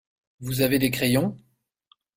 Vous avez des crayons ?